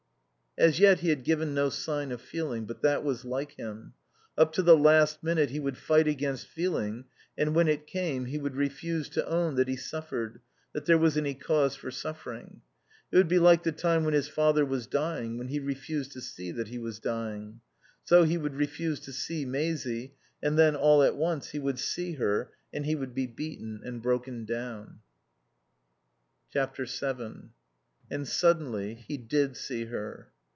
As yet he had given no sign of feeling; but that was like him. Up to the last minute he would fight against feeling, and when it came he would refuse to own that he suffered, that there was any cause for suffering. It would be like the time when his father was dying, when he refused to see that he was dying. So he would refuse to see Maisie and then, all at once, he would see her and he would be beaten and broken down. vii And suddenly he did see her.